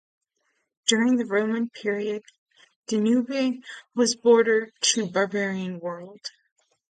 During the Roman period, Danube was border to barbarian world.